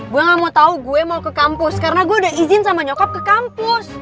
gue gak mau tahu gue mau ke kampus karena gue udah izin sama nyokap ke kampus